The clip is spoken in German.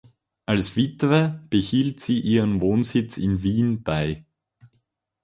Als Witwe behielt sie ihren Wohnsitz in Wien bei.